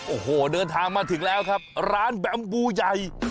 โอ้โหเดินทางมาถึงแล้วครับร้านแบมบูใหญ่